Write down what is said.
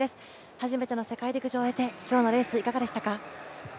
初めての世界陸上を終えて今日のレースいかがでしたか？